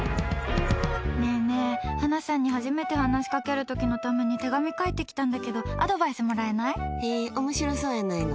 ねえねえ、ハナさんに初めて話しかける時のために手紙書いてきたんだけどへえ、面白そうやないの。